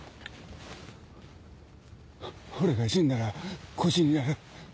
俺が死んだら孤児になる。